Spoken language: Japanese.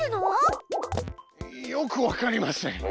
よくわかりません。